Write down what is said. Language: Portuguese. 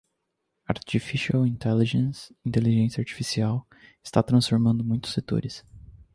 Artificial Intelligence (Inteligência Artificial) está transformando muitos setores.